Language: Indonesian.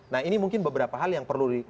nah ini mungkin beberapa hal yang perlu